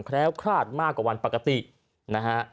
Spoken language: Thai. แคล้วคลาดมากกว่าวันปกตินะฮะ